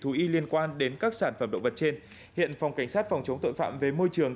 thú y liên quan đến các sản phẩm động vật trên hiện phòng cảnh sát phòng chống tội phạm về môi trường